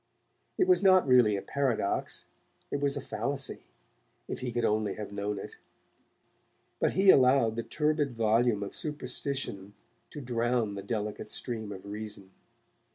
It was not, really, a paradox, it was a fallacy, if he could only have known it, but he allowed the turbid volume of superstition to drown the delicate stream of reason.